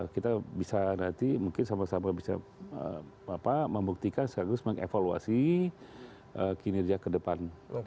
kita bisa nanti mungkin sama sama bisa membuktikan seharusnya mengevaluasi kinerja kedepan